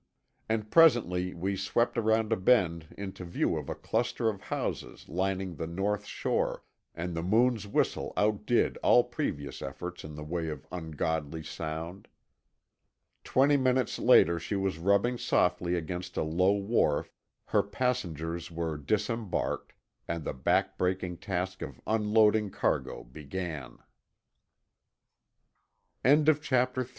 And presently we swept around a bend into view of a cluster of houses lining the north shore, and the Moon's whistle outdid all previous efforts in the way of ungodly sound. Twenty minutes later she was rubbing softly against a low wharf, her passengers were disembarked, and the back breaking task of unloading cargo began. CHAPTER IV—A FORTHRIGHT F